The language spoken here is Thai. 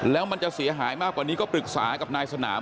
แล้วมันจะเสียหายมากกว่านี้ก็ปรึกษากับนายสนาม